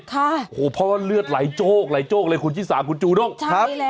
ค่ะโอ้โฮเพราะว่าเลือดไหลโจ๊กเลยคุณชิ้นสามคุณจูนกครับใช่แล้ว